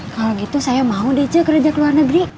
kalau gitu saya mau dc kerja ke luar negeri